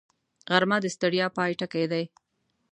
غرمه د ستړیا پای ټکی دی